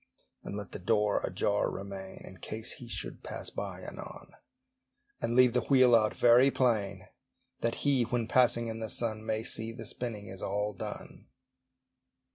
And let the door ajar remain, In case he should pass by anon; And leave the wheel out very plain, That HE, when passing in the sun, May see the spinning is all done.